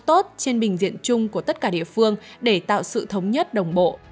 tốt trên bình diện chung của tất cả địa phương để tạo sự thống nhất đồng bộ